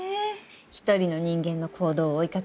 一人の人間の行動を追いかける。